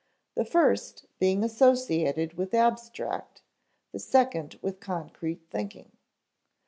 122); the first being associated with abstract, the second with concrete, thinking.